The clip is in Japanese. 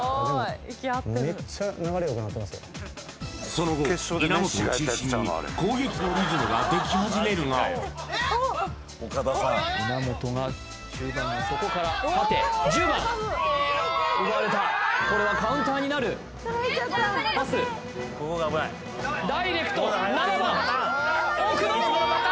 その後稲本を中心に攻撃のリズムができ始めるが稲本が中盤のそこから縦１０番奪われたこれはカウンターになるパスダイレクト７番奥野！